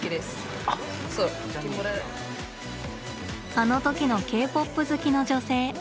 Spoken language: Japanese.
あの時のＫ−ＰＯＰ好きの女性。